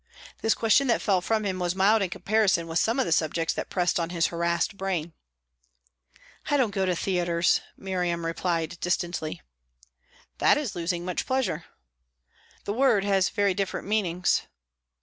This question that fell from him was mild in comparison with some of the subjects that pressed on his harassed brain. "I don't go to theatres," Miriam replied distantly. "That is losing much pleasure." "The word has very different meanings."